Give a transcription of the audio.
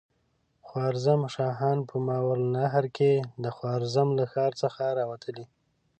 خوارزم شاهان په ماوراالنهر کې د خوارزم له ښار څخه را وتلي.